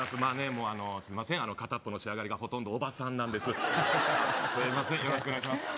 すいませんかたっぽの仕上がりがほとんどおばさんなんですすいません